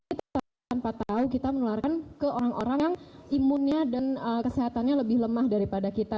kita tanpa tahu kita menularkan ke orang orang yang imunnya dan kesehatannya lebih lemah daripada kita